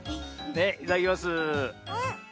いただきます。